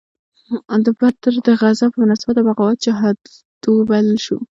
د بدر د غزا په مناسبت دا بغاوت جهاد وبلل شو.